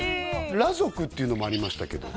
裸族っていうのもありましたけど